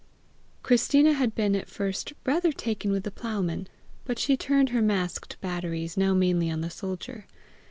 Christina had been at first rather taken with the ploughman, but she turned her masked batteries now mainly on the soldier.